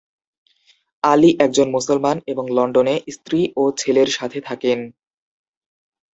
আলী একজন মুসলমান, এবং লন্ডনে স্ত্রী ও ছেলের সাথে থাকেন।